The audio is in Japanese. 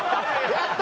やった！